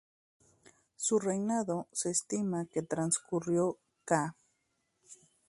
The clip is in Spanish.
Su reinado se estima que transcurrió ca.